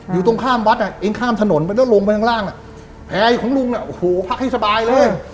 อยู่ตรงข้ามวัดเองข้ามถนนไปลงไปข้างล่างแพงของลุงพักให้สบายเลย